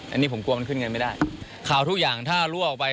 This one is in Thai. อันนี้ผมกลัวมันขึ้นกันไม่ได้